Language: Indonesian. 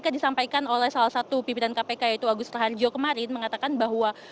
disampaikan oleh salah satu pimpinan kpk yaitu agus raharjo kemarin mengatakan bahwa